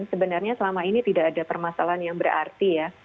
sebenarnya selama ini tidak ada permasalahan yang berarti ya